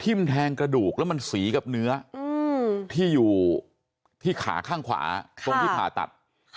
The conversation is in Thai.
แทงกระดูกแล้วมันสีกับเนื้อที่อยู่ที่ขาข้างขวาตรงที่ผ่าตัด